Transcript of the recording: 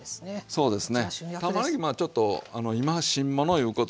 そうですね。